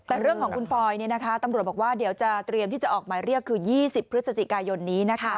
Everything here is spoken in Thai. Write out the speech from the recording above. แต่เรื่องของคุณฟอยตำรวจบอกว่าเดี๋ยวจะเตรียมที่จะออกหมายเรียกคือ๒๐พฤศจิกายนนี้นะคะ